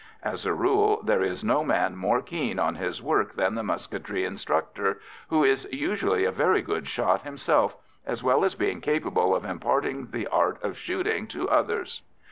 As a rule, there is no man more keen on his work than the musketry instructor, who is usually a very good shot himself, as well as being capable of imparting the art of shooting to others.